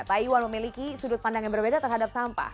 taiwan memiliki sudut pandang yang berbeda terhadap sampah